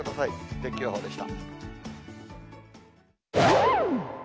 天気予報でした。